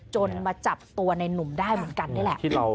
มาจับตัวในนุ่มได้เหมือนกันนี่แหละ